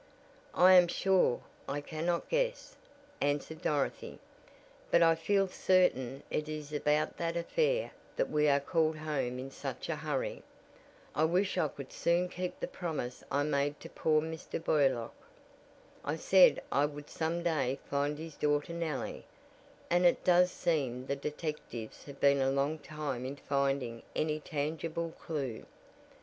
"I am sure I cannot guess," answered Dorothy, "but I feel certain it is about that affair that we are called home in such a hurry. I wish I could soon keep the promise I made to poor Mr. Burlock. I said I would some day find his daughter Nellie, and it does seem the detectives have been a long time in finding any tangible clew.